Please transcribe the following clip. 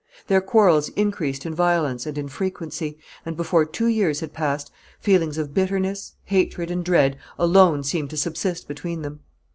Their quarrels increased in violence and in frequency, and, before two years had passed, feelings of bitterness, hatred, and dread, alone seemed to subsist between them.